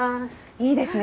いいですね